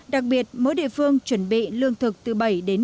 đặc biệt mỗi địa phương chuẩn bị lương thực từ bảy đến một mươi